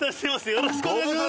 よろしくお願いします！